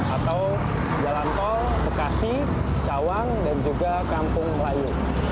atau jalan tol bekasi cawang dan juga kampung melayu